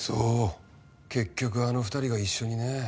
結局あの２人が一緒にね。